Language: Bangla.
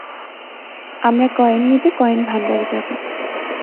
আমরা কয়েন নিতে কয়েন ভান্ডারে যাব।